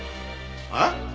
えっ？